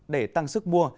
để tăng sức mua